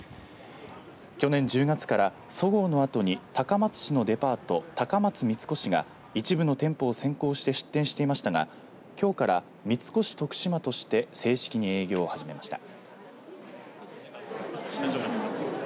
去年１０月からそごうの跡に高松市のデパート高松三越が一部の店舗を先行して出店していましたがきょうから三越徳島として正式に営業を始めました。